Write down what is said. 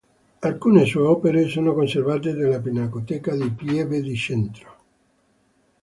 Alcune sue opere sono conservate nella pinacoteca di Pieve di Cento.